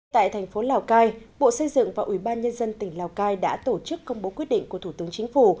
tại thành phố lào cai bộ xây dựng và ủy ban nhân dân tỉnh lào cai đã tổ chức công bố quyết định của thủ tướng chính phủ